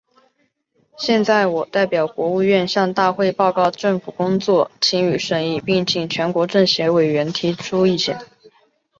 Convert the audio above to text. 现在，我代表国务院，向大会报告政府工作，请予审议，并请全国政协委员提出意见。